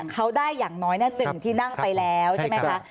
เขาได้อย่างน้อย๑ที่นั่งไปแล้วใช่ไหมคะ